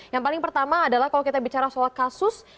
yang paling pertama adalah kalau kita bicara soal kasus